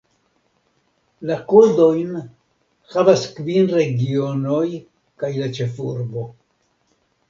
La kodojn havas kvin regionoj kaj la ĉefurbo.